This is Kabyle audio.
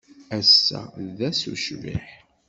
Ass-a d ass ucbiḥ.